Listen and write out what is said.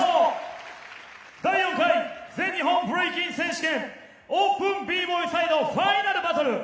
第４回全日本ブレイキン選手権オープンＢＢＯＹサイドファイナルバトル。